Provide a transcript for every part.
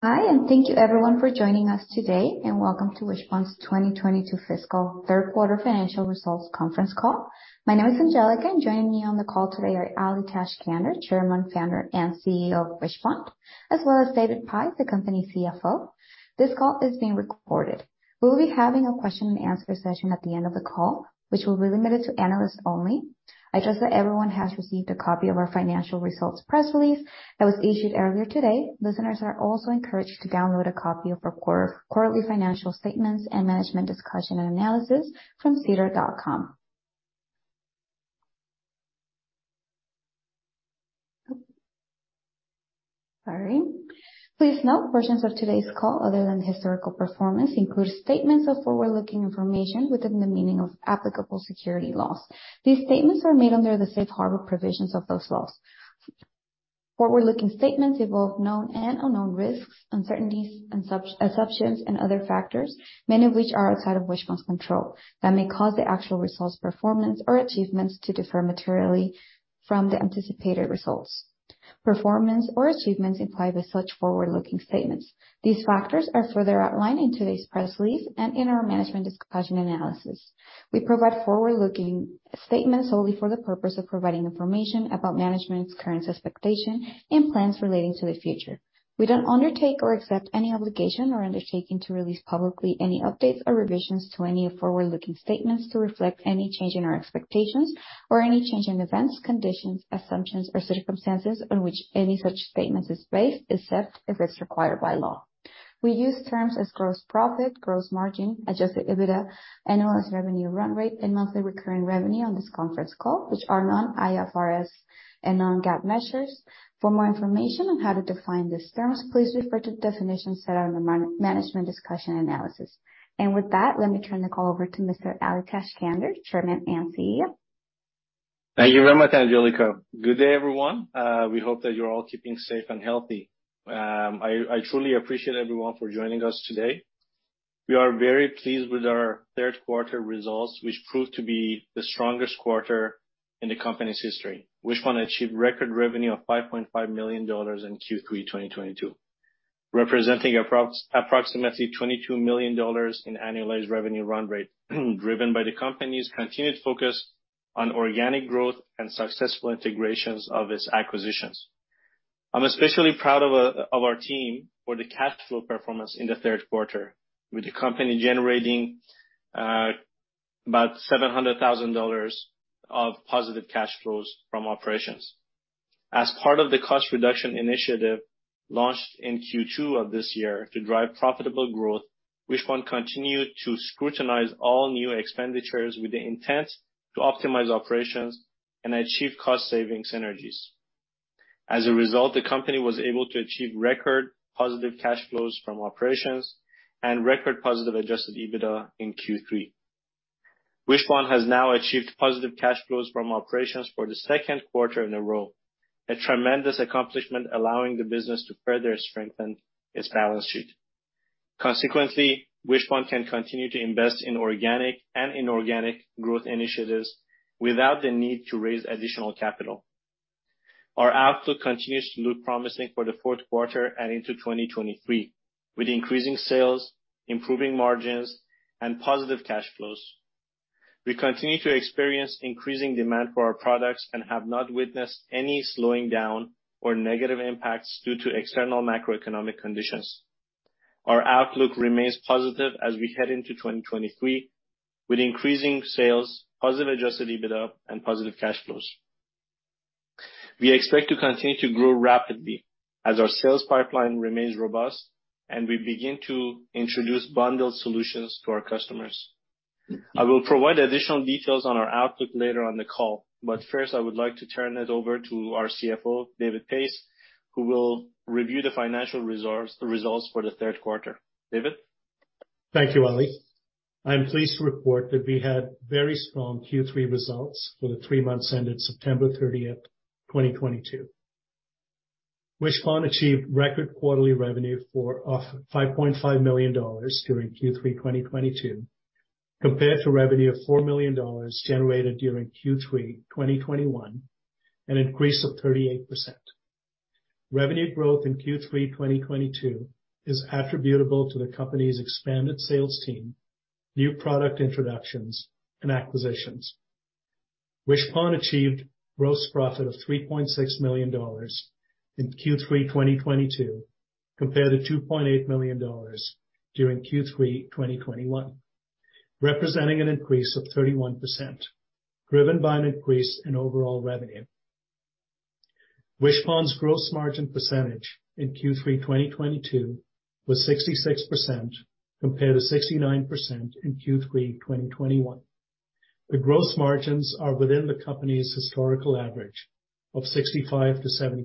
Hi, thank you everyone for joining us today. Welcome to Wishpond's 2022 fiscal third quarter financial results conference call. My name is Angelica. Joining me on the call today are Ali Tajskandar, Chairman, Founder, and CEO of Wishpond, as well as David Pais, the Company CFO. This call is being recorded. We will be having a question-and-answer session at the end of the call, which will be limited to analysts only. I trust that everyone has received a copy of our financial results press release that was issued earlier today. Listeners are also encouraged to download a copy of our quarterly financial statements and management discussion and analysis from sedar.com. Sorry. Please note, portions of today's call other than historical performance include statements of forward-looking information within the meaning of applicable securities laws. These statements are made under the Safe Harbor provisions of those laws. Forward-looking statements involve known and unknown risks, uncertainties, assumptions, and other factors, many of which are outside of Wishpond's control, that may cause the actual results, performance, or achievements to differ materially from the anticipated results, performance, or achievements implied by such forward-looking statements. These factors are further outlined in today's press release and in our Management Discussion Analysis. We provide forward-looking statements solely for the purpose of providing information about management's current expectation and plans relating to the future. We don't undertake or accept any obligation or undertaking to release publicly any updates or revisions to any forward-looking statements to reflect any change in our expectations or any change in events, conditions, assumptions, or circumstances on which any such statement is based, except if it's required by law. We use terms as gross profit, gross margin, Adjusted EBITDA, Annualized Revenue Run Rate, and Monthly Recurring Revenue on this conference call, which are non-IFRS and non-GAAP measures. For more information on how to define these terms, please refer to the definitions set out in the management discussion analysis. With that, let me turn the call over to Mr. Ali Tajskandar, Chairman and CEO. Thank you very much, Angelica. Good day, everyone. We hope that you're all keeping safe and healthy. I truly appreciate everyone for joining us today. We are very pleased with our third quarter results, which proved to be the strongest quarter in the company's history. Wishpond achieved record revenue of 5.5 million dollars in Q3 2022, representing approximately 22 million dollars in annualized revenue run rate, driven by the company's continued focus on organic growth and successful integrations of its acquisitions. I'm especially proud of our team for the cash flow performance in the third quarter, with the company generating about 700 thousand dollars of positive cash flows from operations. As part of the cost reduction initiative launched in Q2 of this year to drive profitable growth, Wishpond continued to scrutinize all new expenditures with the intent to optimize operations and achieve cost savings synergies. As a result, the company was able to achieve record positive cash flows from operations and record positive Adjusted EBITDA in Q3. Wishpond has now achieved positive cash flows from operations for the second quarter in a row, a tremendous accomplishment allowing the business to further strengthen its balance sheet. Consequently, Wishpond can continue to invest in organic and inorganic growth initiatives without the need to raise additional capital. Our outlook continues to look promising for the fourth quarter and into 2023, with increasing sales, improving margins, and positive cash flows. We continue to experience increasing demand for our products and have not witnessed any slowing down or negative impacts due to external macroeconomic conditions. Our outlook remains positive as we head into 2023 with increasing sales, positive Adjusted EBITDA, and positive cash flows. We expect to continue to grow rapidly as our sales pipeline remains robust and we begin to introduce bundled solutions to our customers. I will provide additional details on our outlook later on the call, but first, I would like to turn it over to our CFO, David Pais, who will review the financial results for the third quarter. David? Thank you, Ali. I'm pleased to report that we had very strong Q3 results for the three months ended September 30th, 2022. Wishpond achieved record quarterly revenue for 5.5 million dollars during Q3 2022 compared to revenue of 4 million dollars generated during Q3 2021, an increase of 38%. Revenue growth in Q3 2022 is attributable to the company's expanded sales team, new product introductions, and acquisitions. Wishpond achieved gross profit of 3.6 million dollars in Q3 2022 compared to 2.8 million dollars during Q3 2021, representing an increase of 31%, driven by an increase in overall revenue. Wishpond's gross margin percentage in Q3 2022 was 66% compared to 69% in Q3 2021. The gross margins are within the company's historical average of 65%-70%.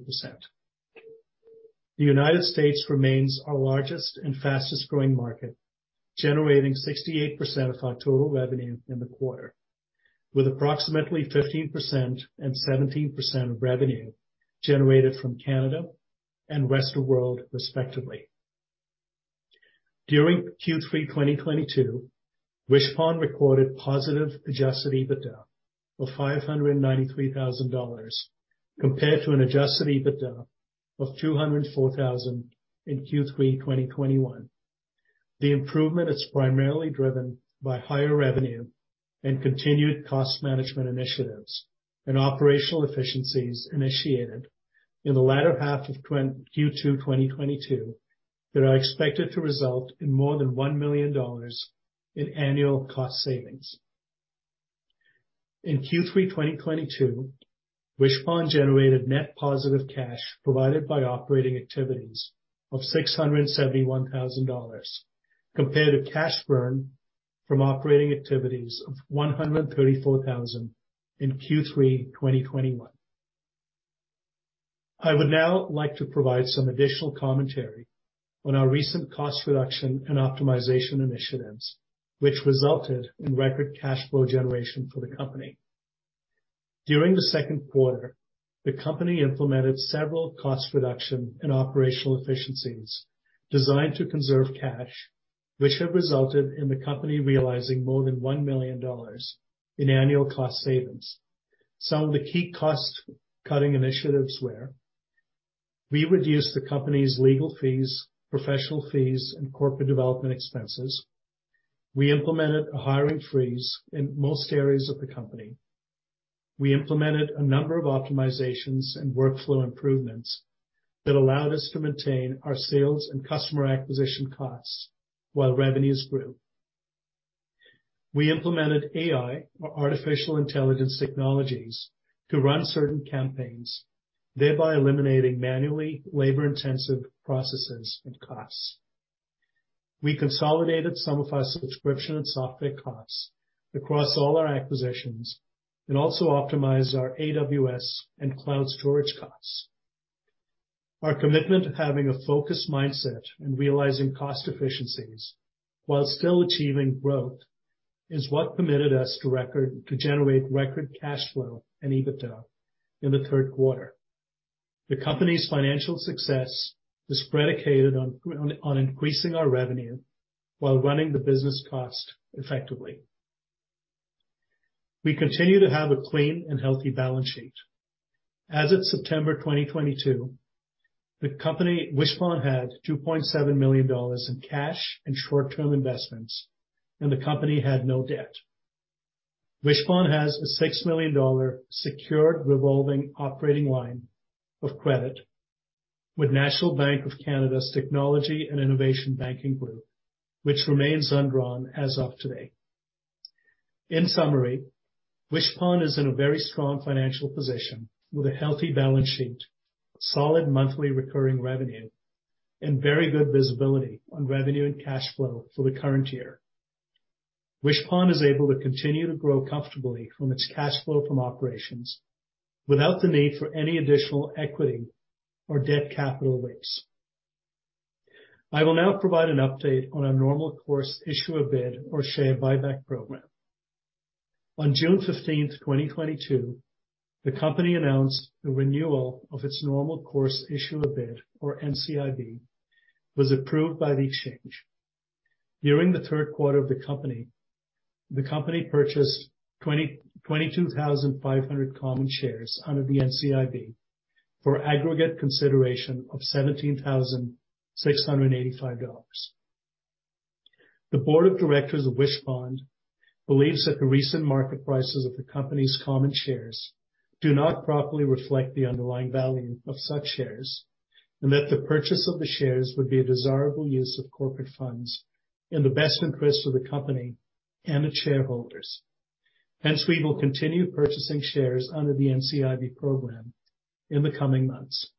The United States remains our largest and fastest-growing market, generating 68% of our total revenue in the quarter, with approximately 15% and 17% of revenue generated from Canada and Rest of World, respectively. During Q3 2022, Wishpond recorded positive Adjusted EBITDA of 593 thousand dollars compared to an Adjusted EBITDA of 204 thousand in Q3 2021. The improvement is primarily driven by higher revenue and continued cost management initiatives and operational efficiencies initiated in the latter half of Q2 2022, that are expected to result in more than 1 million dollars in annual cost savings. In Q3 2022, Wishpond generated net positive cash provided by operating activities of 671 thousand dollars, compared to cash burn from operating activities of 134 thousand in Q3 2021. I would now like to provide some additional commentary on our recent cost reduction and optimization initiatives, which resulted in record cash flow generation for the company. During the second quarter, the company implemented several cost reduction and operational efficiencies designed to conserve cash, which have resulted in the company realizing more than 1 million dollars in annual cost savings. Some of the key cost-cutting initiatives were, we reduced the company's legal fees, professional fees, and corporate development expenses. We implemented a hiring freeze in most areas of the company. We implemented a number of optimizations and workflow improvements that allowed us to maintain our sales and customer acquisition costs while revenues grew. We implemented AI or artificial intelligence technologies to run certain campaigns, thereby eliminating manually labor-intensive processes and costs. We consolidated some of our subscription and software costs across all our acquisitions and also optimized our AWS and cloud storage costs. Our commitment to having a focused mindset and realizing cost efficiencies while still achieving growth is what permitted us to generate record cash flow and EBITDA in the third quarter. The company's financial success is predicated on increasing our revenue while running the business cost effectively. We continue to have a clean and healthy balance sheet. As of September 2022, Wishpond had 2.7 million dollars in cash and short-term investments, and the company had no debt. Wishpond has a 6 million dollar secured revolving operating line of credit with National Bank of Canada's Technology and Innovation Banking Group, which remains undrawn as of today. In summary, Wishpond is in a very strong financial position with a healthy balance sheet, solid Monthly Recurring Revenue, and very good visibility on revenue and cash flow for the current year. Wishpond is able to continue to grow comfortably from its cash flow from operations without the need for any additional equity or debt capital raises. I will now provide an update on our normal course issuer bid or share buyback program. On June 15th, 2022, the company announced the renewal of its normal course issuer bid, or NCIB, was approved by the exchange. During the third quarter of the company, the company purchased 22,500 common shares under the NCIB for aggregate consideration of 17,685 dollars. The Board of Directors of Wishpond believes that the recent market prices of the company's common shares do not properly reflect the underlying value of such shares, and that the purchase of the shares would be a desirable use of corporate funds in the best interest of the company and its shareholders. Hence, we will continue purchasing shares under the NCIB program in the coming months.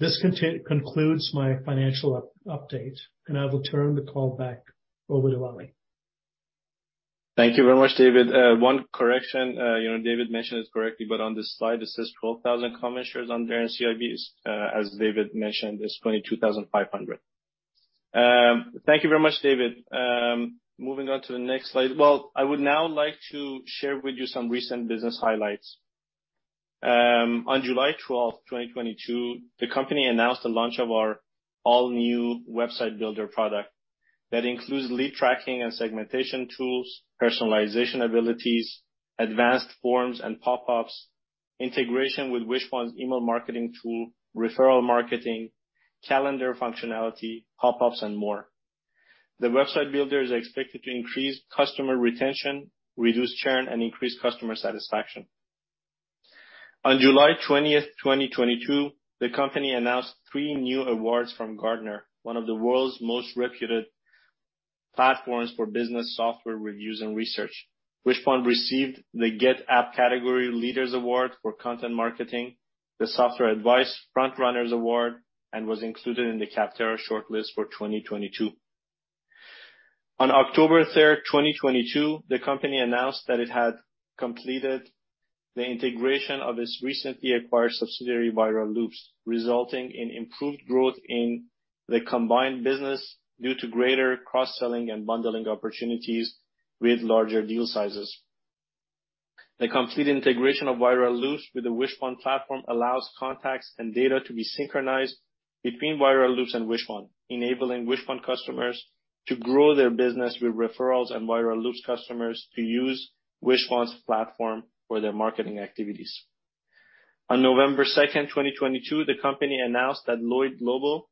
This concludes my financial update, and I will turn the call back over to Ali Tajskandar. Thank you very much, David. One correction, David mentioned this correctly, but on this slide it says 12,000 common shares under NCIB. As David mentioned, it's 22,500. Thank you very much, David. Moving on to the next slide. Well, I would now like to share with you some recent business highlights. On July 12th, 2022, the company announced the launch of our all-new website builder product that includes lead tracking and segmentation tools, personalization abilities, advanced forms and pop-ups, integration with Wishpond's email marketing tool, referral marketing, calendar functionality, pop-ups, and more. The website builder is expected to increase customer retention, reduce churn, and increase customer satisfaction. On July 20th, 2022, the company announced three new awards from Gartner, one of the world's most reputed platforms for business software reviews and research. Wishpond received the GetApp Category Leaders award for content marketing, the Software Advice FrontRunners award, and was included in the Capterra shortlist for 2022. On October 3rd, 2022, the company announced that it had completed the integration of its recently acquired subsidiary, Viral Loops, resulting in improved growth in the combined business due to greater cross-selling and bundling opportunities with larger deal sizes. The complete integration of Viral Loops with the Wishpond platform allows contacts and data to be synchronized between Viral Loops and Wishpond, enabling Wishpond customers to grow their business with referrals and Viral Loops customers to use Wishpond's platform for their marketing activities. On November 2nd, 2022, the company announced that Lloyd Lobo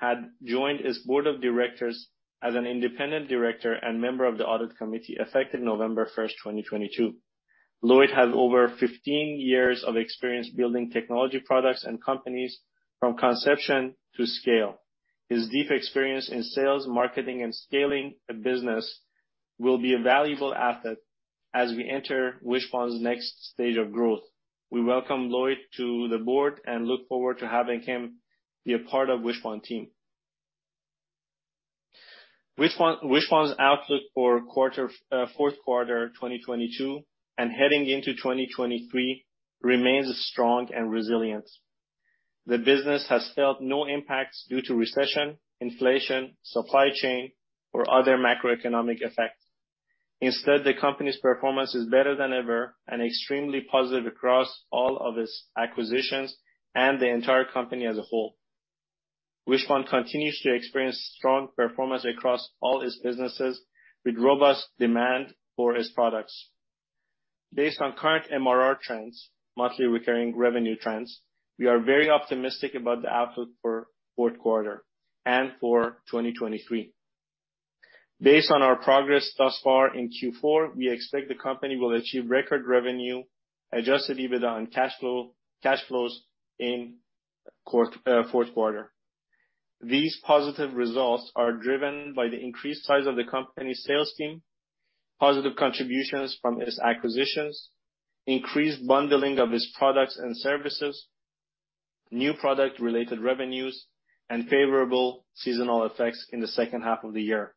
had joined its Board of Directors as an independent director and member of the Audit Committee, effective November 1st, 2022. Lloyd has over 15 years of experience building technology products and companies from conception to scale. His deep experience in sales, marketing, and scaling a business will be a valuable asset as we enter Wishpond's next stage of growth. We welcome Lloyd to the board and look forward to having him be a part of Wishpond team. Wishpond's outlook for fourth quarter 2022 and heading into 2023 remains strong and resilient. The business has felt no impacts due to recession, inflation, supply chain, or other macroeconomic effects. Instead, the company's performance is better than ever and extremely positive across all of its acquisitions and the entire company as a whole. Wishpond continues to experience strong performance across all its businesses with robust demand for its products. Based on current MRR trends, Monthly Recurring Revenue trends, we are very optimistic about the outlook for fourth quarter and for 2023. Based on our progress thus far in Q4, we expect the company will achieve record revenue, Adjusted EBITDA, and cash flows in fourth quarter. These positive results are driven by the increased size of the company's sales team, positive contributions from its acquisitions, increased bundling of its products and services, new product-related revenues, and favorable seasonal effects in the second half of the year.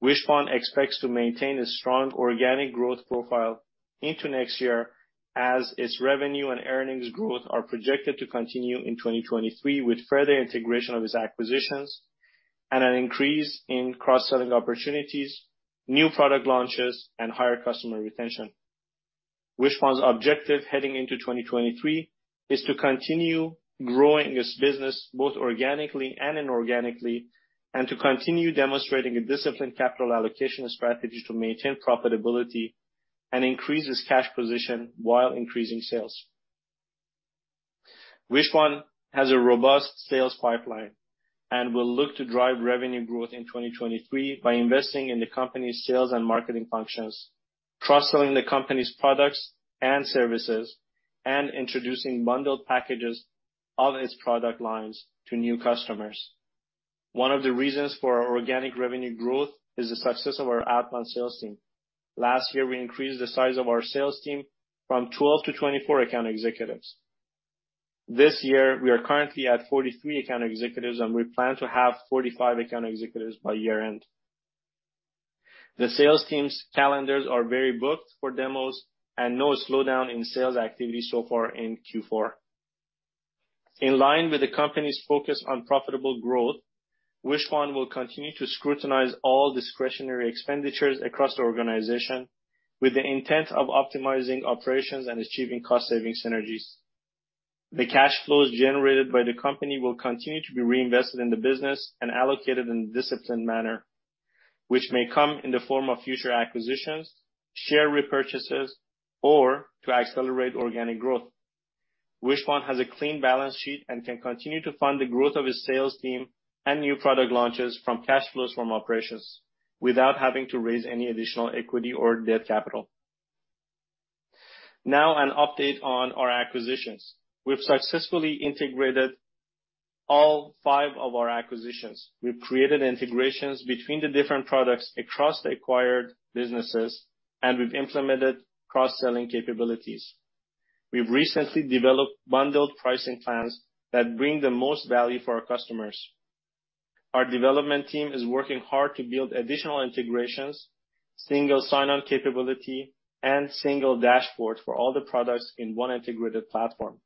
Wishpond expects to maintain a strong organic growth profile into next year as its revenue and earnings growth are projected to continue in 2023, with further integration of its acquisitions and an increase in cross-selling opportunities, new product launches, and higher customer retention. Wishpond's objective heading into 2023 is to continue growing its business, both organically and inorganically, and to continue demonstrating a disciplined capital allocation strategy to maintain profitability and increase its cash position while increasing sales. Wishpond has a robust sales pipeline and will look to drive revenue growth in 2023 by investing in the company's sales and marketing functions, cross-selling the company's products and services, and introducing bundled packages of its product lines to new customers. One of the reasons for our organic revenue growth is the success of our outbound sales team. Last year, we increased the size of our sales team from 12 to 24 account executives. This year, we are currently at 43 account executives, and we plan to have 45 account executives by year-end. The sales team's calendars are very booked for demos, and no slowdown in sales activity so far in Q4. In line with the company's focus on profitable growth, Wishpond will continue to scrutinize all discretionary expenditures across the organization with the intent of optimizing operations and achieving cost-saving synergies. The cash flows generated by the company will continue to be reinvested in the business and allocated in a disciplined manner, which may come in the form of future acquisitions, share repurchases, or to accelerate organic growth. Wishpond has a clean balance sheet and can continue to fund the growth of its sales team and new product launches from cash flows from operations without having to raise any additional equity or debt capital. Now, an update on our acquisitions. We've successfully integrated all five of our acquisitions. We've created integrations between the different products across the acquired businesses, and we've implemented cross-selling capabilities. We've recently developed bundled pricing plans that bring the most value for our customers. Our development team is working hard to build additional integrations, single sign-on capability, and single dashboard for all the products in one integrated platform.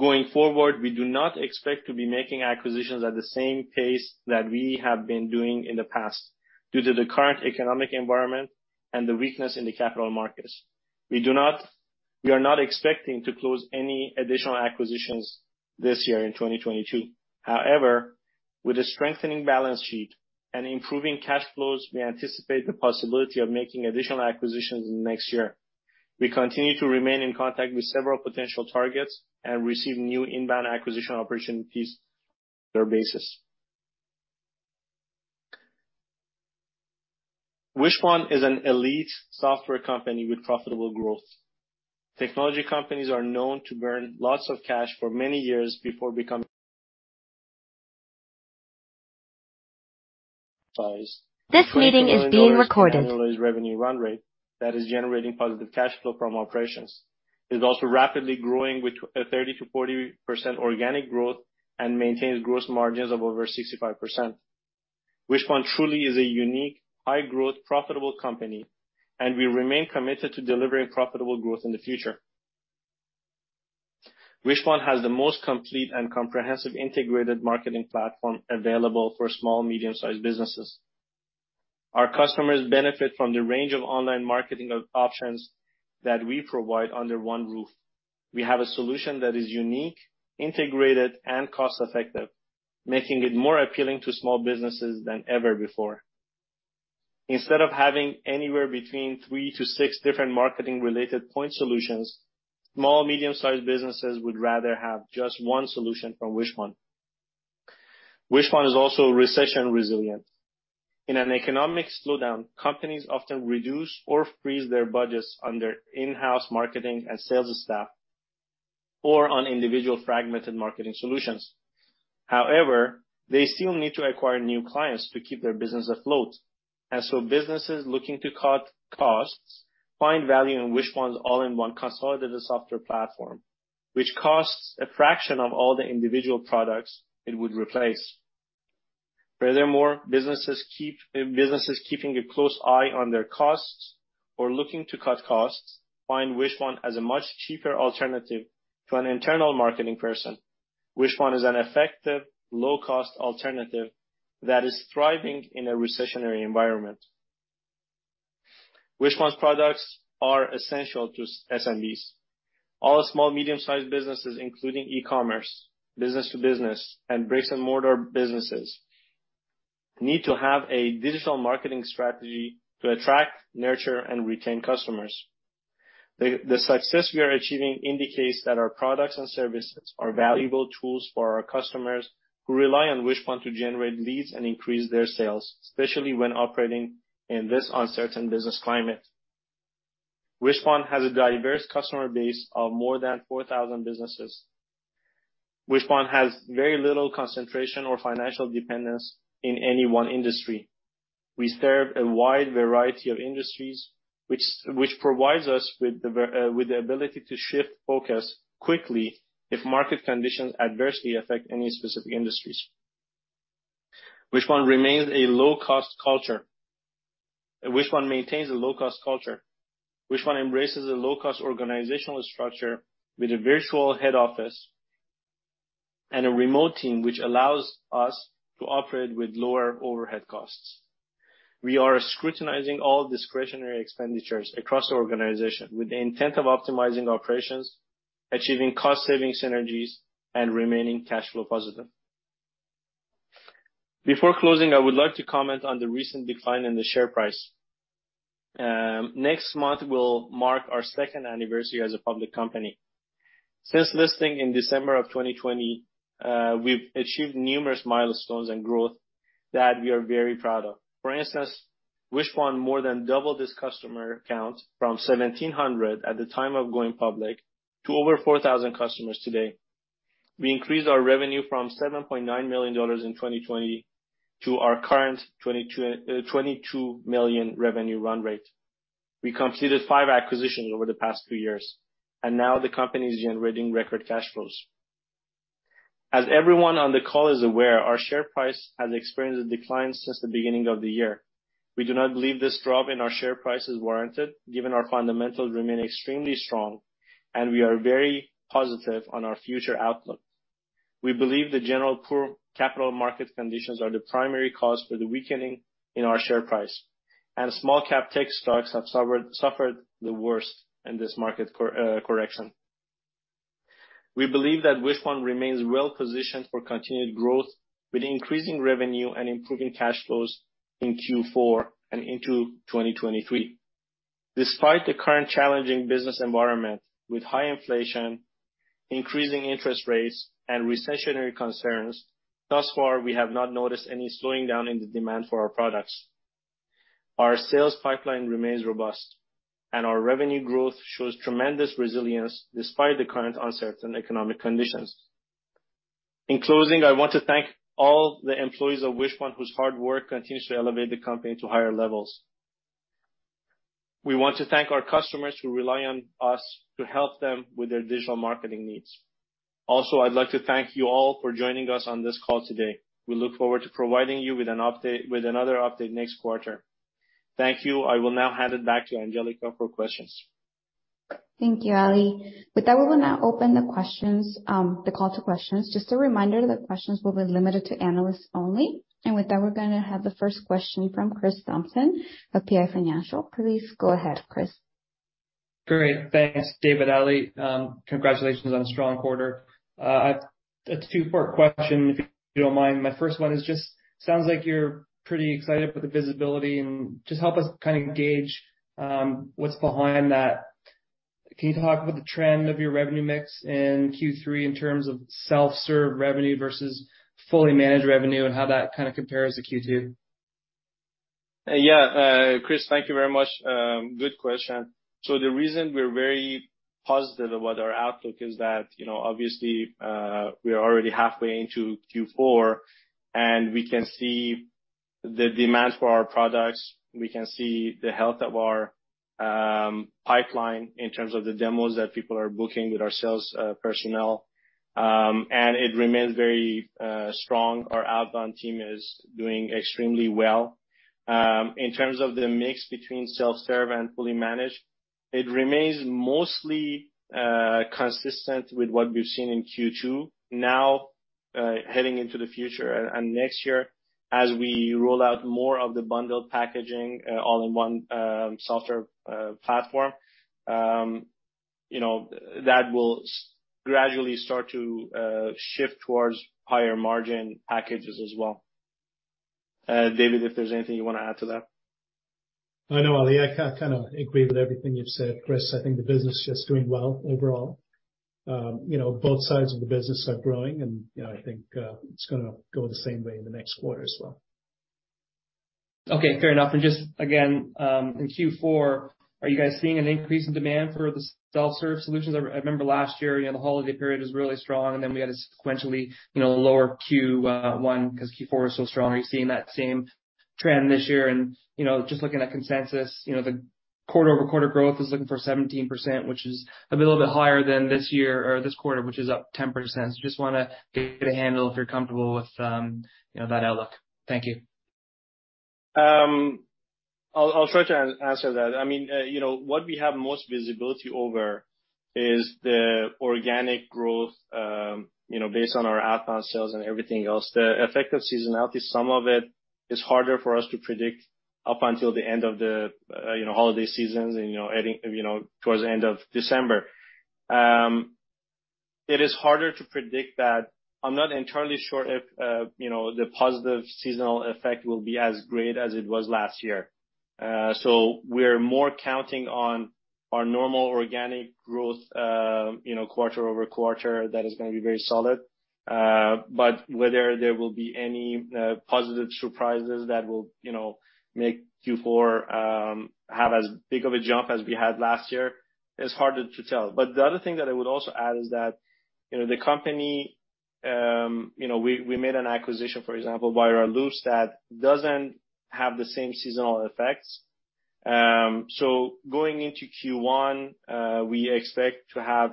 Going forward, we do not expect to be making acquisitions at the same pace that we have been doing in the past due to the current economic environment and the weakness in the capital markets. We are not expecting to close any additional acquisitions this year in 2022. However, with a strengthening balance sheet and improving cash flows, we anticipate the possibility of making additional acquisitions in the next year. We continue to remain in contact with several potential targets and receive new inbound acquisition opportunities on a regular basis. Wishpond is an elite software company with profitable growth. Technology companies are known to burn lots of cash for many years. This meeting is being recorded. CAD 22 million annualized revenue run rate that is generating positive cash flow from operations. It is also rapidly growing with a 30%-40% organic growth and maintains gross margins of over 65%. Wishpond truly is a unique, high-growth, profitable company, and we remain committed to delivering profitable growth in the future. Wishpond has the most complete and comprehensive integrated marketing platform available for small, medium-sized businesses. Our customers benefit from the range of online marketing options that we provide under one roof. We have a solution that is unique, integrated, and cost-effective, making it more appealing to small businesses than ever before. Instead of having anywhere between three to six different marketing-related point solutions, small, medium-sized businesses would rather have just one solution from Wishpond. Wishpond is also recession resilient. In an economic slowdown, companies often reduce or freeze their budgets on their in-house marketing and sales staff or on individual fragmented marketing solutions. However, they still need to acquire new clients to keep their business afloat. Businesses looking to cut costs find value in Wishpond's all-in-one consolidated software platform, which costs a fraction of all the individual products it would replace. Furthermore, businesses keeping a close eye on their costs or looking to cut costs find Wishpond as a much cheaper alternative to an internal marketing person. Wishpond is an effective, low-cost alternative that is thriving in a recessionary environment. Wishpond's products are essential to SMBs. All small, medium-sized businesses, including e-commerce, business-to-business, and bricks-and-mortar businesses, need to have a digital marketing strategy to attract, nurture, and retain customers. The, the success we are achieving indicates that our products and services are valuable tools for our customers who rely on Wishpond to generate leads and increase their sales, especially when operating in this uncertain business climate. Wishpond has a diverse customer base of more than four thousand businesses. Wishpond has very little concentration or financial dependence in any one industry. We serve a wide variety of industries which provides us with the ability to shift focus quickly if market conditions adversely affect any specific industries. Wishpond remains a low-cost culture. Wishpond maintains a low-cost culture. Wishpond embraces a low-cost organizational structure with a virtual head office and a remote team, which allows us to operate with lower overhead costs. We are scrutinizing all discretionary expenditures across the organization with the intent of optimizing operations, achieving cost saving synergies, and remaining cash flow positive. Before closing, I would like to comment on the recent decline in the share price. Next month will mark our second anniversary as a public company. Since listing in December of 2020, we've achieved numerous milestones and growth that we are very proud of. For instance, Wishpond more than doubled its customer accounts from 1,700 at the time of going public to over 4,000 customers today. We increased our revenue from 7.9 million dollars in 2020 to our current 22 million revenue run rate. We completed five acquisitions over the past two years, and now the company is generating record cash flows. As everyone on the call is aware, our share price has experienced a decline since the beginning of the year. We do not believe this drop in our share price is warranted, given our fundamentals remain extremely strong, and we are very positive on our future outlook. We believe the general poor capital market conditions are the primary cause for the weakening in our share price, and small-cap tech stocks have suffered the worst in this market correction. We believe that Wishpond remains well-positioned for continued growth with increasing revenue and improving cash flows in Q4 and into 2023. Despite the current challenging business environment with high inflation, increasing interest rates, and recessionary concerns, thus far, we have not noticed any slowing down in the demand for our products. Our sales pipeline remains robust, and our revenue growth shows tremendous resilience despite the current uncertain economic conditions. In closing, I want to thank all the employees of Wishpond whose hard work continues to elevate the company to higher levels. We want to thank our customers who rely on us to help them with their digital marketing needs. Also, I'd like to thank you all for joining us on this call today. We look forward to providing you with another update next quarter. Thank you. I will now hand it back to Angelica for questions. Thank you, Ali. With that, we will now open the call to questions. Just a reminder that questions will be limited to analysts only. With that, we're gonna have the first question from Chris Thompson of PI Financial. Please go ahead, Chris. Great. Thanks, Dave and Ali. Congratulations on a strong quarter. It's a two-part question, if you don't mind. My first one is just sounds like you're pretty excited with the visibility and just help us kinda gauge what's behind that. Can you talk about the trend of your revenue mix in Q3 in terms of self-serve revenue versus fully managed revenue and how that kinda compares to Q2? Chris, thank you very much. Good question. The reason we're very positive about our outlook is that, obviously, we are already halfway into Q4, and we can see the demand for our products. We can see the health of our pipeline in terms of the demos that people are booking with our sales personnel, and it remains very strong. Our outbound team is doing extremely well. In terms of the mix between self-serve and fully managed, it remains mostly consistent with what we've seen in Q2. Now, heading into the future and next year, as we roll out more of the bundled packaging, all-in-one software platform that will gradually start to shift towards higher margin packages as well. David, if there's anything you wanna add to that. No, Ali, I kinda agree with everything you've said. Chris, I think the business is just doing well overall. You know, both sides of the business are growing, and, you know, I think it's gonna go the same way in the next quarter as well. Okay, fair enough. Just again in Q4, are you guys seeing an increase in demand for the self-serve solutions? I remember last year, the holiday period was really strong, and then we had a sequentially, lower Q1, 'cause Q4 was so strong. Are you seeing that same trend this year? Just looking at consensus, the quarter-over-quarter growth is looking for 17%, which is a little bit higher than this year or this quarter, which is up 10%. Just wanna get a handle if you're comfortable with that outlook. Thank you. I'll try to answer that. I mean, what we have most visibility over is the organic growth based on our outbound sales and everything else. The effect of seasonality, some of it is harder for us to predict up until the end of the, holiday seasons, and adding towards the end of December. It is harder to predict that. I'm not entirely sure if the positive seasonal effect will be as great as it was last year. We're more counting on our normal organic growth quarter-over-quarter that is gonna be very solid. Whether there will be any positive surprises that will make Q4 have as big of a jump as we had last year is harder to tell. The other thing that I would also add is that we made an acquisition, for example, by Viral Loops that doesn't have the same seasonal effects. Going into Q1, we expect to have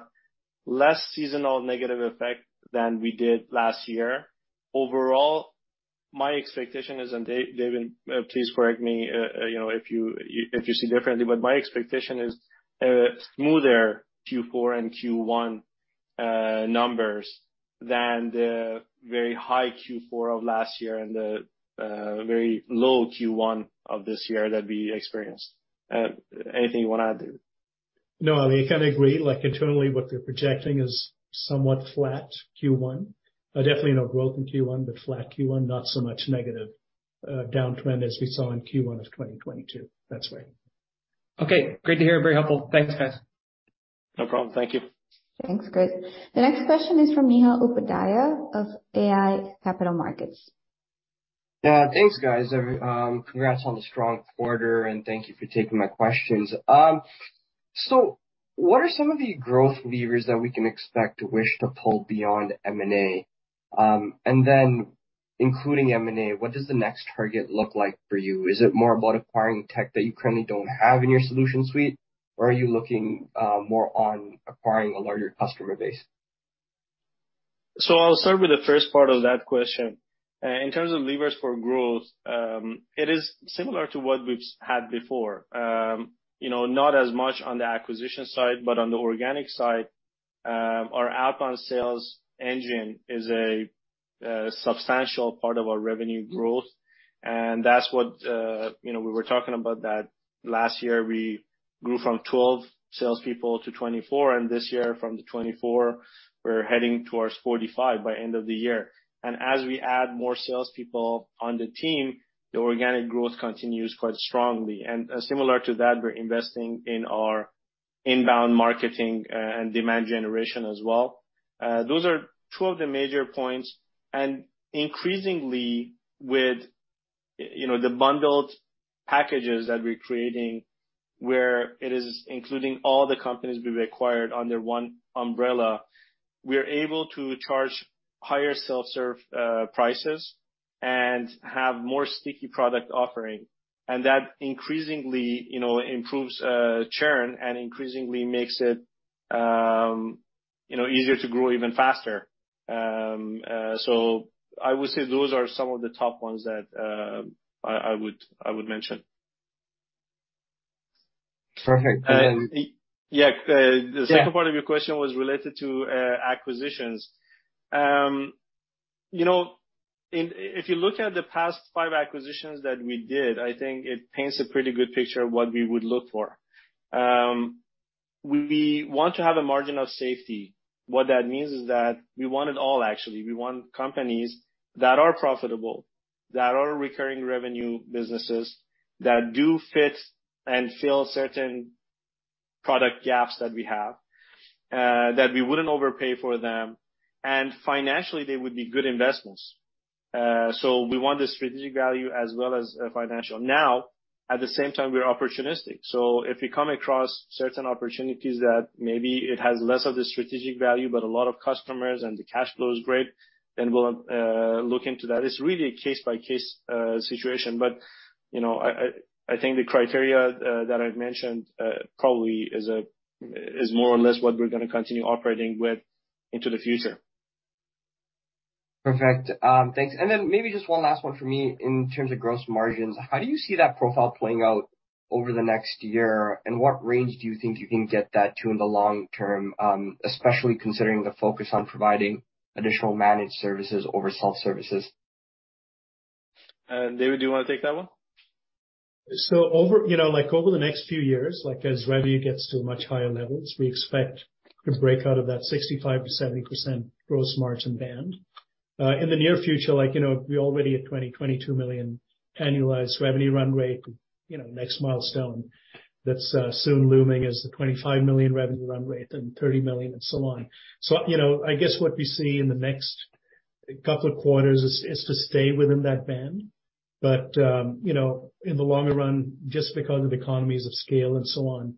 less seasonal negative effect than we did last year. Overall, my expectation is, and David, please correct me, if you see differently, but my expectation is smoother Q4 and Q1 numbers than the very high Q4 of last year and the very low Q1 of this year that we experienced. Anything you wanna add, David? No, I kind of agree. Like, internally, what we're projecting is somewhat flat Q1. Definitely no growth in Q1, but flat Q1, not so much negative downtrend as we saw in Q1 of 2022. That's right. Okay. Great to hear. Very helpful. Thanks, guys. No problem. Thank you. Thanks. Great. The next question is from Neehal Upadhyaya of iA Capital Markets. Yeah, thanks, guys. Congrats on the strong quarter, and thank you for taking my questions. What are some of the growth levers that we can expect Wish to pull beyond M&A? Including M&A, what does the next target look like for you? Is it more about acquiring tech that you currently don't have in your solution suite, or are you looking more on acquiring a larger customer base? I'll start with the first part of that question. In terms of levers for growth, it is similar to what we've had before. Not as much on the acquisition side, but on the organic side, our outbound sales engine is a substantial part of our revenue growth, and that's what, we were talking about that last year. We grew from 12 salespeople to 24, and this year from the 24, we're heading towards 45 by end of the year. As we add more salespeople on the team, the organic growth continues quite strongly. Similar to that, we're investing in our inbound marketing and demand generation as well. Those are two of the major points. Increasingly, with, the bundled packages that we're creating, where it is including all the companies we've acquired under one umbrella, we're able to charge higher self-serve prices and have more sticky product offering. That increasingly improves churn and increasingly makes it easier to grow even faster. I would say those are some of the top ones that I would mention. Perfect. Yeah. The second part of your question was related to acquisitions. f you look at the past five acquisitions that we did, I think it paints a pretty good picture of what we would look for. We want to have a margin of safety. What that means is that we want it all actually. We want companies that are profitable, that are recurring revenue businesses, that do fit and fill certain product gaps that we have, that we wouldn't overpay for them, and financially, they would be good investments. We want the strategic value as well as financial. Now, at the same time, we're opportunistic. If we come across certain opportunities that maybe it has less of the strategic value but a lot of customers and the cash flow is great, then we'll look into that. It's really a case-by-case situation. I think the criteria that I've mentioned probably is more or less what we're gonna continue operating with into the future. Perfect. Thanks. Maybe just one last one for me. In terms of gross margins, how do you see that profile playing out over the next year? What range do you think you can get that to in the long term, especially considering the focus on providing additional managed services over self-services? David, do you wanna take that one? Like, over the next few years, like as revenue gets to much higher levels, we expect to break out of that 65%-70% gross margin band. In the near future, like, you know, we're already at 20 million-22 million annualized revenue run rate. You know, next milestone that's soon looming is the 25 million revenue run rate, then 30 million, and so on. You know, I guess what we see in the next couple of quarters is to stay within that band. You know, in the longer run, just because of economies of scale and so on,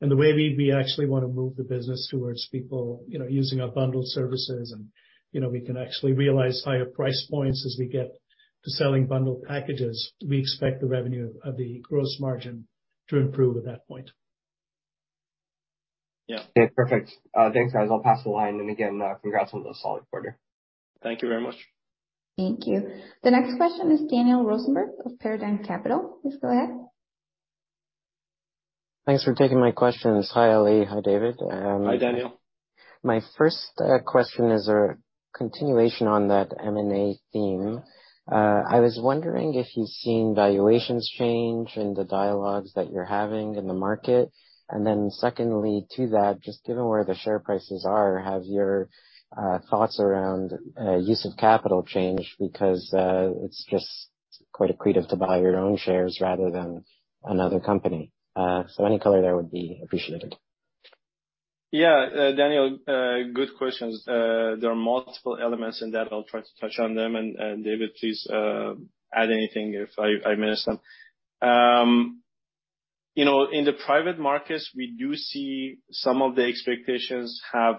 and the way we actually wanna move the business towards people, you know, using our bundled services and, you know, we can actually realize higher price points as we get to selling bundled packages, we expect the revenue and the gross margin to improve at that point. Yeah. Okay, perfect. Thanks, guys. I'll pass the line, and again, congrats on the solid quarter. Thank you very much. Thank you. The next question is Daniel Rosenberg of Paradigm Capital. Please go ahead. Thanks for taking my questions. Hi, Ali. Hi, David. Hi, Daniel. My first question is a continuation on that M&A theme. I was wondering if you've seen valuations change in the dialogues that you're having in the market. Secondly to that, just given where the share prices are, have your thoughts around use of capital changed because it's just quite accretive to buy your own shares rather than another company? Any color there would be appreciated. Yeah. Daniel, good questions. There are multiple elements in that. I'll try to touch on them. David, please add anything if I miss them. You know, in the private markets, we do see some of the expectations have,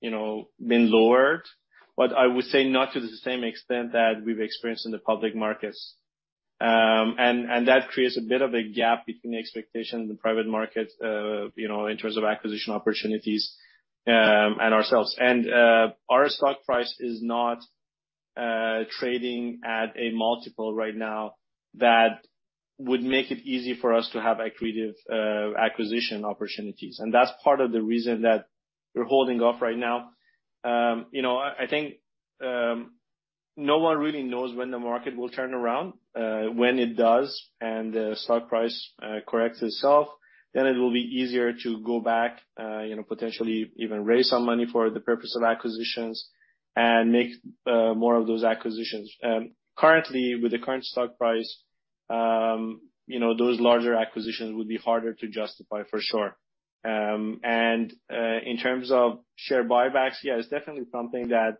you know, been lowered, but I would say not to the same extent that we've experienced in the public markets. That creates a bit of a gap between the expectation in the private market, you know, in terms of acquisition opportunities and ourselves. Our stock price is not trading at a multiple right now that would make it easy for us to have accretive acquisition opportunities, and that's part of the reason that we're holding off right now. You know, I think no one really knows when the market will turn around. When it does and the stock price corrects itself, then it will be easier to go back, you know, potentially even raise some money for the purpose of acquisitions and make more of those acquisitions. Currently, with the current stock price, you know, those larger acquisitions would be harder to justify for sure. In terms of share buybacks, yeah, it's definitely something that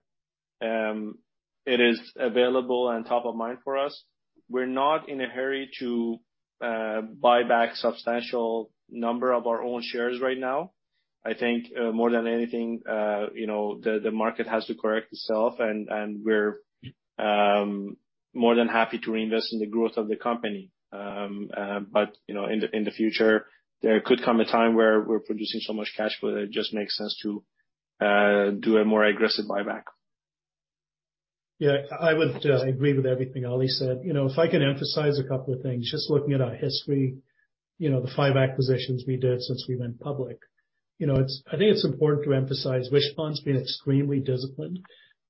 is available and top of mind for us. We're not in a hurry to buy back substantial number of our own shares right now. I think, more than anything, you know, the market has to correct itself, and we're more than happy to reinvest in the growth of the company. You know, in the future, there could come a time where we're producing so much cash flow that it just makes sense to do a more aggressive buyback. Yeah. I would agree with everything Ali said. You know, if I can emphasize a couple of things, just looking at our history, you know, the five acquisitions we did since we went public, you know, I think it's important to emphasize Wishpond's been extremely disciplined.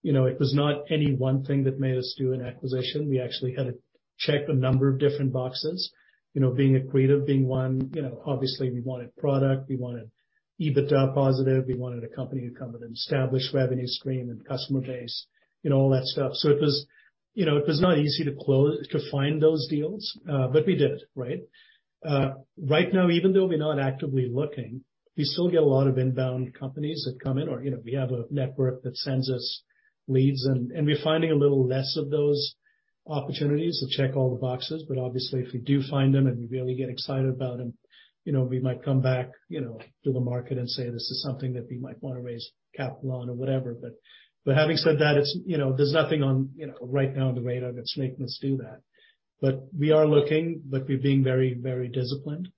You know, it was not any one thing that made us do an acquisition. We actually had to check a number of different boxes. You know, being accretive being one. You know, obviously we wanted product, we wanted EBITDA positive, we wanted a company who come with an established revenue stream and customer base, you know, all that stuff. It was, you know, not easy to find those deals, but we did, right? Right now, even though we're not actively looking, we still get a lot of inbound companies that come in or, you know, we have a network that sends us leads. We're finding a little less of those opportunities to check all the boxes. Obviously if we do find them and we really get excited about them, you know, we might come back, you know, to the market and say, "This is something that we might wanna raise capital on," or whatever. Having said that, you know, there's nothing, you know, right now on the radar that's making us do that. We are looking, but we're being very, very disciplined.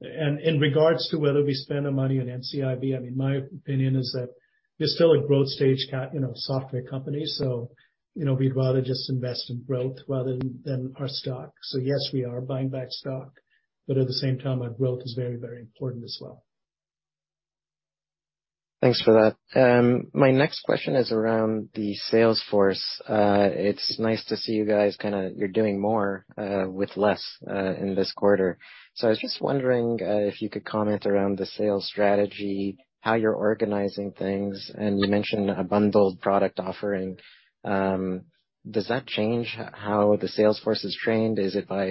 In regards to whether we spend our money on NCIB, I mean, my opinion is that we're still a growth stage, you know, software company, so, you know, we'd rather just invest in growth rather than our stock. Yes, we are buying back stock, but at the same time, our growth is very important as well. Thanks for that. My next question is around the sales force. It's nice to see you guys kinda-- you're doing more with less in this quarter. So I was just wondering if you could comment around the sales strategy, how you're organizing things. And you mentioned a bundled product offering. Um, does that change h-how the sales force is trained? Is it by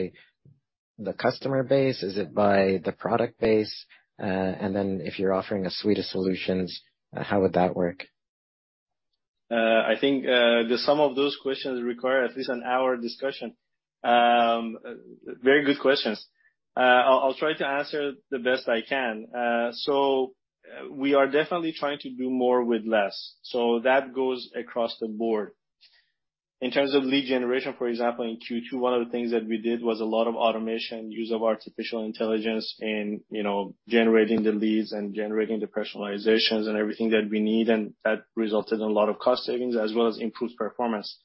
the customer base? Is it by the product base? and then if you're offering a suite of solutions, how would that work? I think the sum of those questions require at least an hour discussion. Very good questions. I'll try to answer the best I can. We are definitely trying to do more with less, so that goes across the board. In terms of lead generation, for example, in Q2 one of the things that we did was a lot of automation, use of artificial intelligence in, you know, generating the leads and generating the personalizations and everything that we need, and that resulted in a lot of cost savings as well as improved performance.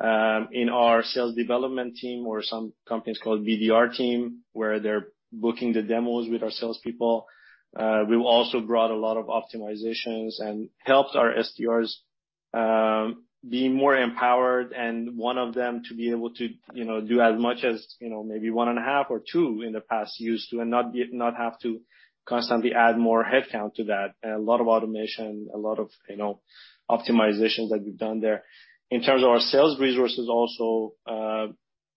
In our sales development team or some companies called BDR team, where they're booking the demos with our salespeople, we also brought a lot of optimizations and helped our SDRs be more empowered and one of them to be able to, you know, do as much as, you know, maybe one and a half or two in the past used to, and not have to constantly add more headcount to that. A lot of automation, a lot of, you know, optimizations that we've done there. In terms of our sales resources also,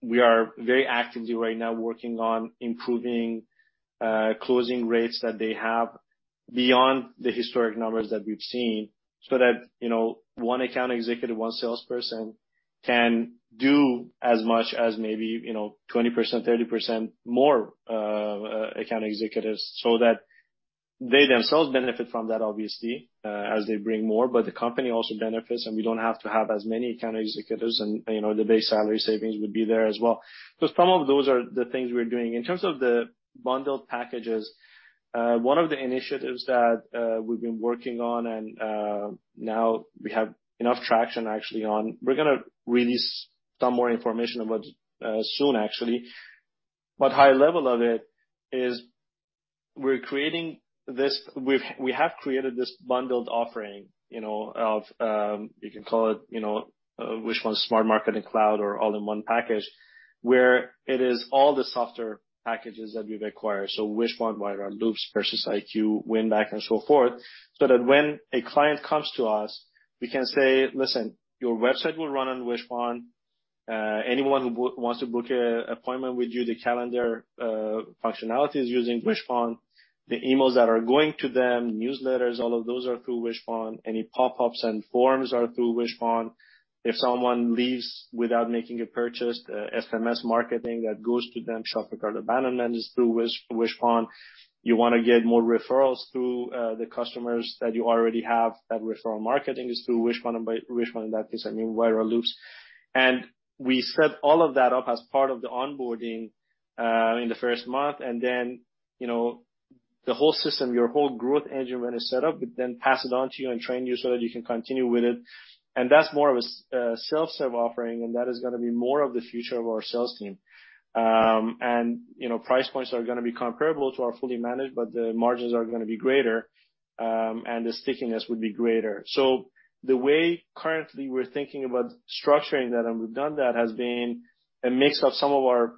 we are very actively right now working on improving closing rates that they have beyond the historic numbers that we've seen, so that, you know, one Account Executive, one salesperson can do as much as maybe, you know, 20%-30% more Account Executives so that they themselves benefit from that obviously as they bring more, but the company also benefits, and we don't have to have as many Account Executives and, you know, the base salary savings would be there as well. Some of those are the things we're doing. In terms of the bundled packages, one of the initiatives that we've been working on and now we have enough traction actually on, we're gonna release some more information about soon actually. High level of it is we're creating this. We have created this bundled offering, you know, of, you can call it, you know, Wishpond's all-in-one marketing platform or all-in-one package, where it is all the software packages that we've acquired. Wishpond, Viral Loops, PersistIQ, Winback, and so forth, so that when a client comes to us, we can say, "Listen, your website will run on Wishpond." Anyone who wants to book a appointment with you, the calendar functionality is using Wishpond. The emails that are going to them, newsletters, all of those are through Wishpond. Any pop-ups and forms are through Wishpond. If someone leaves without making a purchase, SMS marketing that goes to them, shopping cart abandonment is through Wishpond. You wanna get more referrals through the customers that you already have, that referral marketing is through Wishpond and by Wishpond, in that case, I mean, Viral Loops. We set all of that up as part of the onboarding in the first month, and then, you know, the whole system, your whole growth engine when it's set up, we then pass it on to you and train you so that you can continue with it. That's more of a self-serve offering, and that is gonna be more of the future of our sales team. You know, price points are gonna be comparable to our fully managed, but the margins are gonna be greater, and the stickiness would be greater. The way currently we're thinking about structuring that, and we've done that, has been a mix of some of our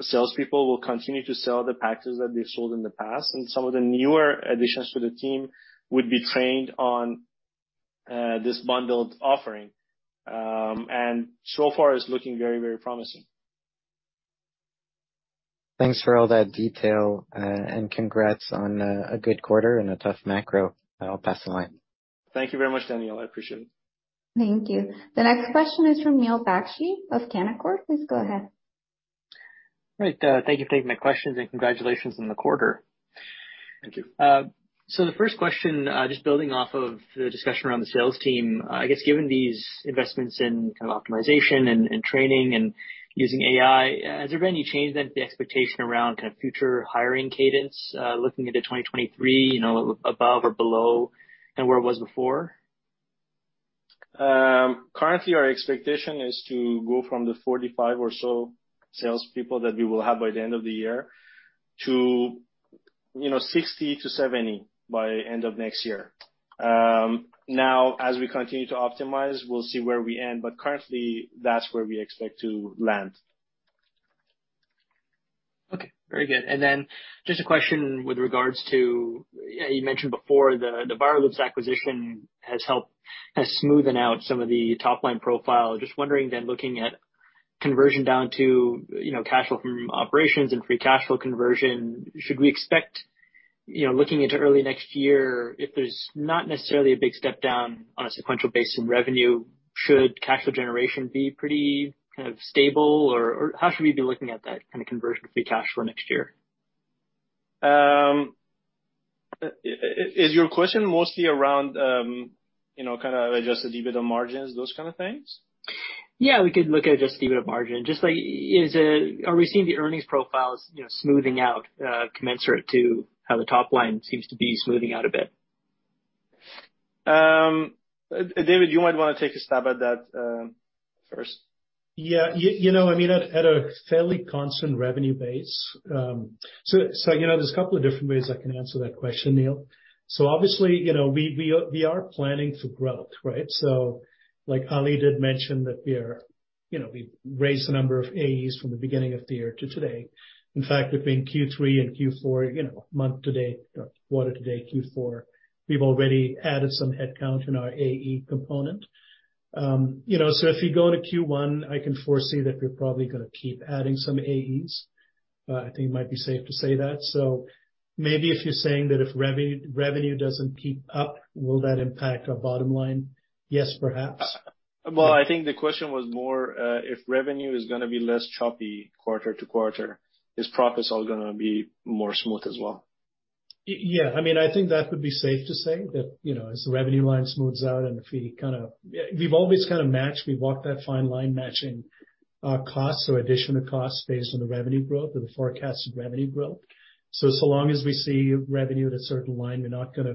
salespeople will continue to sell the packages that they've sold in the past, and some of the newer additions to the team would be trained on this bundled offering. So far it's looking very, very promising. Thanks for all that detail and congrats on a good quarter in a tough macro. I'll pass the line. Thank you very much, Daniel. I appreciate it. Thank you. The next question is from Neil Bakshi of Canaccord. Please go ahead. Right. Thank you for taking my questions, and congratulations on the quarter. Thank you. The first question, just building off of the discussion around the sales team, I guess given these investments in kind of optimization and training and using AI, has there been any change then to the expectation around kind of future hiring cadence, looking into 2023, you know, above or below than where it was before? Currently our expectation is to go from the 45 or so salespeople that we will have by the end of the year to, you know, 60-70 by end of next year. Now, as we continue to optimize, we'll see where we end, but currently that's where we expect to land. Okay. Very good. Just a question with regards to, you mentioned before the Viral Loops acquisition has smoothened out some of the top-line profile. Just wondering then, looking at conversion down to, you know, cash flow from operations and free cash flow conversion, should we expect, you know, looking into early next year, if there's not necessarily a big step down on a sequential basis in revenue, should cash flow generation be pretty kind of stable or how should we be looking at that kind of conversion to free cash flow next year? Is your question mostly around, you know, kinda Adjusted EBITDA margins, those kind of things? Yeah, we could look at Adjusted EBITDA margin. Just like are we seeing the earnings profiles, you know, smoothing out commensurate to how the top line seems to be smoothing out a bit? David, you might wanna take a stab at that first. Yeah. You know, I mean, at a fairly constant revenue base. You know, there's a couple of different ways I can answer that question, Neil. Obviously, you know, we are planning to grow, right? Like Ali did mention that we are, you know, we've raised the number of AEs from the beginning of the year to today. In fact, between Q3 and Q4, you know, month-to-date, quarter-to-date, Q4, we've already added some headcount in our AE component. You know, so if you go to Q1, I can foresee that we're probably gonna keep adding some AEs. I think it might be safe to say that. Maybe if you're saying that if revenue doesn't keep up, will that impact our bottom line? Yes, perhaps. Well, I think the question was more if revenue is gonna be less choppy quarter-to-quarter, is profits all gonna be more smooth as well? Yeah. I mean, I think that would be safe to say that, you know, as the revenue line smooths out. Yeah, we've always kind of matched, we've walked that fine line matching costs or additional costs based on the revenue growth or the forecasted revenue growth. So long as we see revenue at a certain line, we're not gonna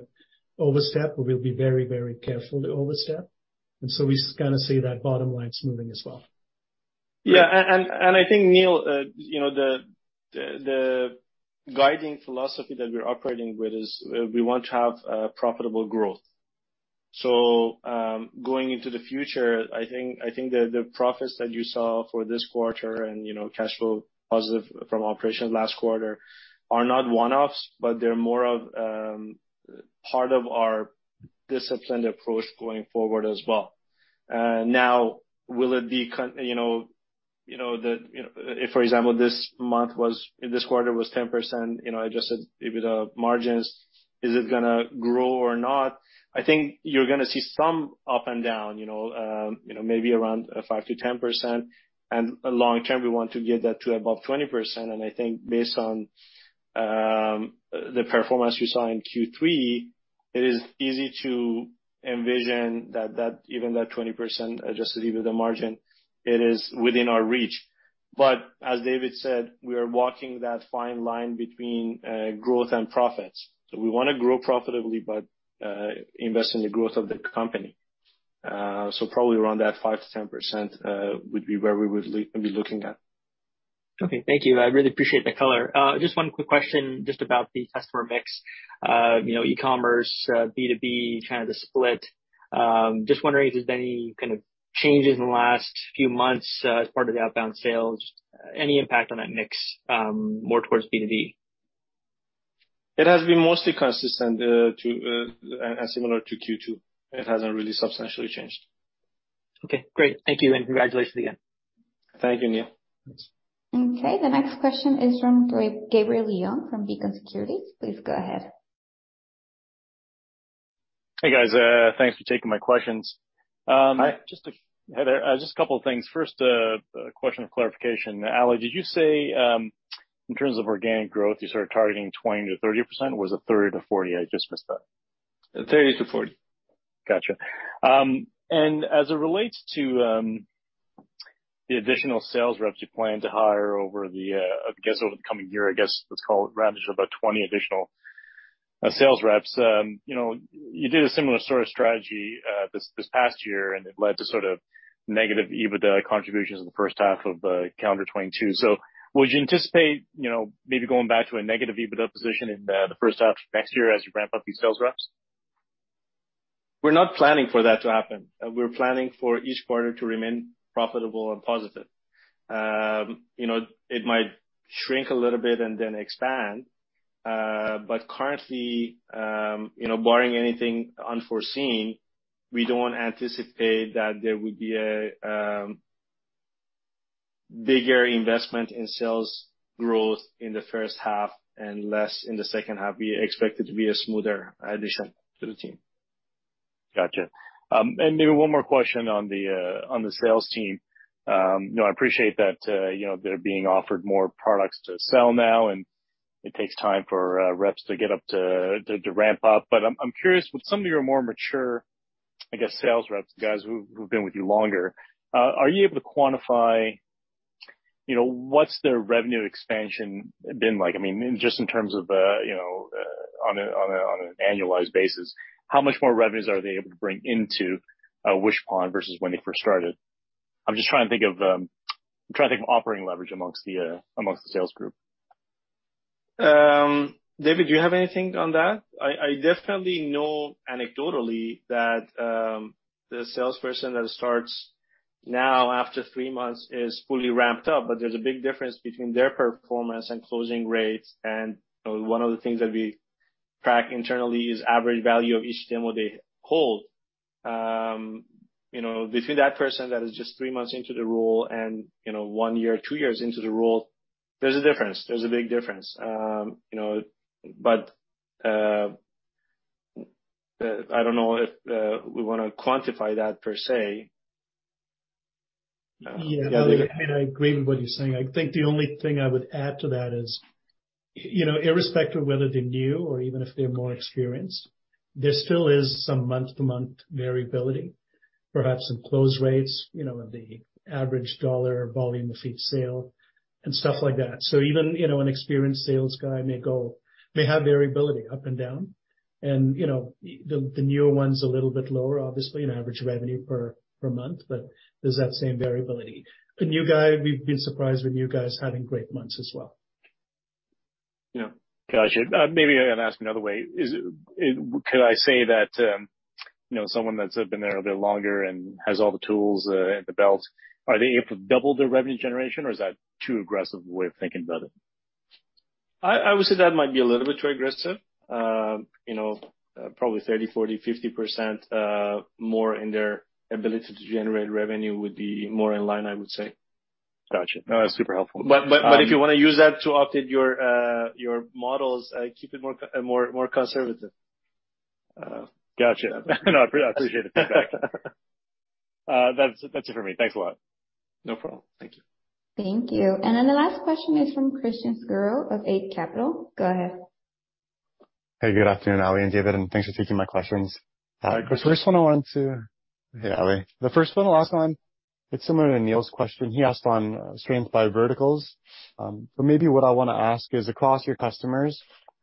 overstep, or we'll be very, very careful to overstep. We just kind of see that bottom line smoothing as well. Yeah. I think, Neil, you know, the guiding philosophy that we're operating with is we want to have profitable growth. Going into the future, I think the profits that you saw for this quarter and, you know, cash flow positive from operations last quarter are not one-offs, but they're more of part of our disciplined approach going forward as well. Now, if this quarter was 10%, you know, Adjusted EBITDA margins, is it gonna grow or not? I think you're gonna see some up and down, you know, maybe around 5%-10%, and long term, we want to get that to above 20%. I think based on the performance you saw in Q3, it is easy to envision that even that 20% Adjusted EBITDA margin, it is within our reach. As David said, we are walking that fine line between growth and profits. We wanna grow profitably but invest in the growth of the company. Probably around that 5%-10% would be where we would be looking at. Okay, thank you. I really appreciate the color. Just one quick question just about the customer mix. You know, e-commerce, B2B, kind of the split. Just wondering if there's any kind of changes in the last few months as part of the outbound sales, any impact on that mix, more towards B2B? It has been mostly consistent and similar to Q2. It hasn't really substantially changed. Okay, great. Thank you, and congratulations again. Thank you, Neil. Thanks. Okay. The next question is from Gabriel Leung from Beacon Securities. Please go ahead. Hey, guys. Thanks for taking my questions. Hi. Hi there. Just a couple of things. First, a question of clarification. Ali, did you say, in terms of organic growth, you started targeting 20%-30%? Was it 30%-40%? I just missed that. 30%-40%. Gotcha. As it relates to the additional sales reps you plan to hire I guess over the coming year, I guess let's call it rounded about 20 additional sales reps, you know, you did a similar sort of strategy this past year, and it led to sort of negative EBITDA contributions in the first half of calendar 2022. Would you anticipate, you know, maybe going back to a negative EBITDA position in the first half next year as you ramp up these sales reps? We're not planning for that to happen. We're planning for each quarter to remain profitable and positive. You know, it might shrink a little bit and then expand. Currently, you know, barring anything unforeseen, we don't anticipate that there would be a bigger investment in sales growth in the first half and less in the second half. We expect it to be a smoother addition to the team. Gotcha. Maybe one more question on the sales team. You know, I appreciate that, you know, they're being offered more products to sell now, and it takes time for reps to ramp up. I'm curious, with some of your more mature, I guess, sales reps, guys who've been with you longer, are you able to quantify, you know, what's their revenue expansion been like? I mean, just in terms of, you know, on an annualized basis, how much more revenues are they able to bring into Wishpond versus when they first started? I'm just trying to think of operating leverage amongst the sales group. David, do you have anything on that? I definitely know anecdotally that the salesperson that starts now, after three months, is fully ramped up, but there's a big difference between their performance and closing rates. You know, one of the things that we track internally is average value of each demo they hold. You know, between that person that is just three months into the role and, you know, one year, two years into the role, there's a difference. There's a big difference. You know, I don't know if we wanna quantify that per se. Yeah. I agree with what he's saying. I think the only thing I would add to that is, you know, irrespective of whether they're new or even if they're more experienced, there still is some month-to-month variability, perhaps in close rates, you know, the average dollar volume of each sale and stuff like that. Even, you know, an experienced sales guy may have variability up and down. You know, the newer one's a little bit lower, obviously, in average revenue per month, but there's that same variability. The new guy, we've been surprised with new guys having great months as well. Yeah. Gotcha. Maybe I'm gonna ask another way. Could I say that, you know, someone that's been there a bit longer and has all the tools and the belt, are they able to double their revenue generation, or is that too aggressive a way of thinking about it? I would say that might be a little bit too aggressive. You know, probably 30%, 40%, 50% more in their ability to generate revenue would be more in line, I would say. Gotcha. No, that's super helpful. If you wanna use that to update your models, keep it more conservative. Gotcha. No, I appreciate the feedback. That's it for me. Thanks a lot. No problem. Thank you. Thank you. The last question is from Christian Sgro of Eight Capital. Go ahead. Hey, good afternoon, Ali and David, and thanks for taking my questions. Hi, Christian. Yeah, Ali. The first one I'll ask on, it's similar to Neil's question. He asked on strength by verticals. Maybe what I wanna ask is, across your customers,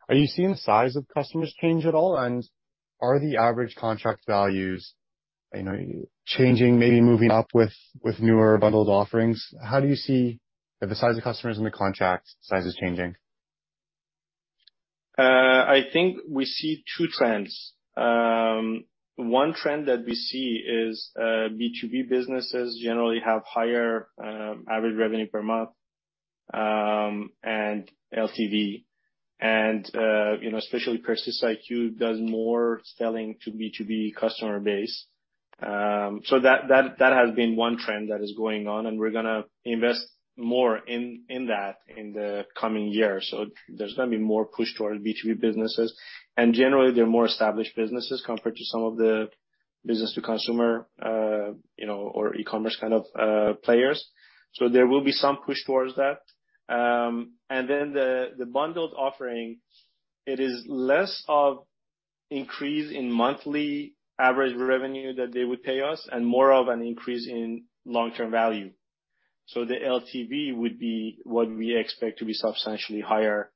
are you seeing the size of customers change at all? Are the average contract values, you know, changing, maybe moving up with newer bundled offerings? How do you see the size of customers and the contract sizes changing? I think we see two trends. One trend that we see is B2B businesses generally have higher average revenue per month and LTV. You know, especially PersistIQ does more selling to B2B customer base. That has been one trend that is going on, and we're gonna invest more in that in the coming year. There's gonna be more push towards B2B businesses. Generally, they're more established businesses compared to some of the business-to-consumer, you know, or e-commerce kind of players. There will be some push towards that. The bundled offering, it is less of increase in monthly average revenue that they would pay us and more of an increase in long-term value. The LTV would be what we expect to be substantially higher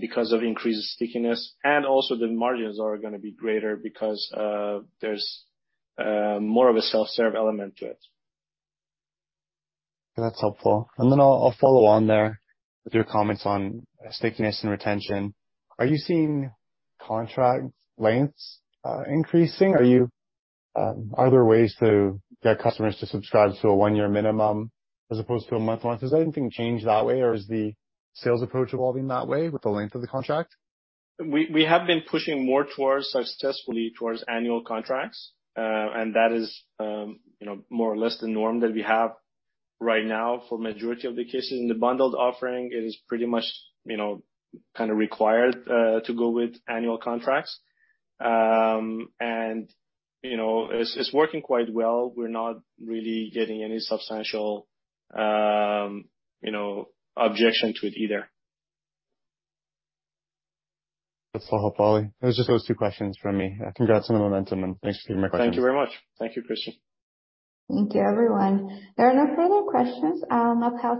because of increased stickiness, and also the margins are gonna be greater because there's more of a self-serve element to it. That's helpful. I'll follow on there with your comments on stickiness and retention. Are you seeing contract lengths increasing? Are there ways to get customers to subscribe to a one-year minimum as opposed to a month-to-month? Has anything changed that way, or is the sales approach evolving that way with the length of the contract? We have been pushing successfully towards annual contracts. That is, you know, more or less the norm that we have right now for majority of the cases. In the bundled offering, it is pretty much, you know, kinda required to go with annual contracts. You know, it's working quite well. We're not really getting any substantial, you know, objection to it either. That's all helpful, Ali. It was just those two questions from me. Congrats on the momentum, and thanks for taking my questions. Thank you very much. Thank you, Christian. Thank you, everyone. There are no further questions. I'll now pass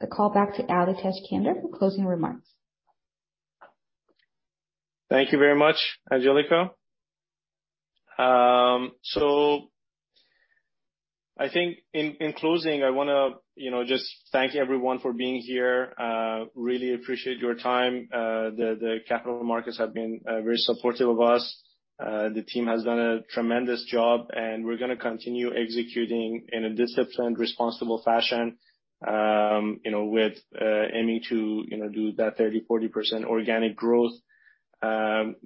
the call back to Ali Tajskandar for closing remarks. Thank you very much, Angelica. I think in closing, I wanna, you know, just thank everyone for being here. Really appreciate your time. The capital markets have been very supportive of us. The team has done a tremendous job, and we're gonna continue executing in a disciplined, responsible fashion, you know, with aiming to, you know, do that 30%-40% organic growth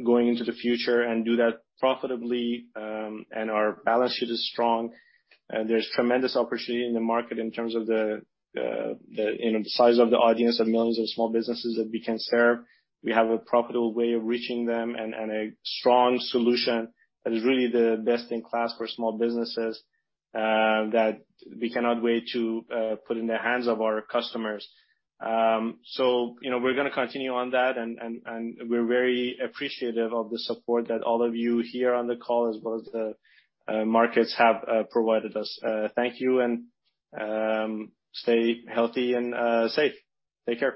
going into the future and do that profitably. Our balance sheet is strong. There's tremendous opportunity in the market in terms of the, you know, the size of the audience of millions of small businesses that we can serve. We have a profitable way of reaching them and a strong solution that is really the best in class for small businesses that we cannot wait to put in the hands of our customers. You know, we're gonna continue on that, and we're very appreciative of the support that all of you here on the call as well as the markets have provided us. Thank you and stay healthy and safe. Take care.